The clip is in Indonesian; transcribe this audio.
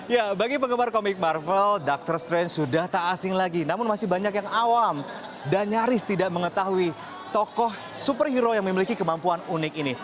ya bagi penggemar komik marvel doctor strange sudah tak asing lagi namun masih banyak yang awam dan nyaris tidak mengetahui tokoh superhero yang memiliki kemampuan unik ini